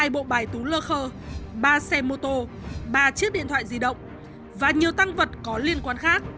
hai bộ bài tú lơ khơ ba xe mô tô ba chiếc điện thoại di động và nhiều tăng vật có liên quan khác